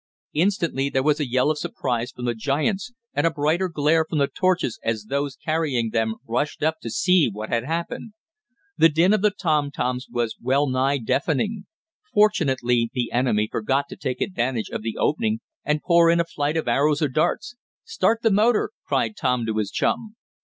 Instantly there was a yell of surprise from the giants, and a brighter glare from the torches, as those carrying them rushed up to see what had happened. The din of the tom toms was well nigh deafening. Fortunately the enemy forgot to take advantage of the opening and pour in a flight of arrows or darts. "Start the motor!" cried Tom to his chum.